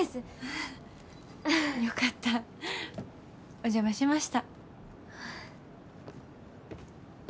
お邪魔しました。